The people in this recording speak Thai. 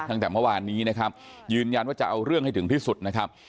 ตั้งแต่เมื่อวานนี้นะครับยืนยันว่าจะเอาเรื่องให้ถึงที่สุดนะครับ